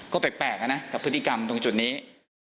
ก็แปลกนะกับพฤติกรรมตรงจุดนี้